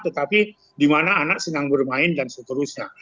tetapi di mana anak senang bermain dan seterusnya